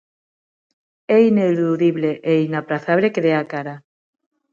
"É ineludible e inaprazable que dea a cara".